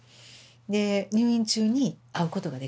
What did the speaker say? で入院中に会うことができたんです。